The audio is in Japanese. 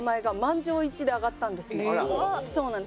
そうなんです。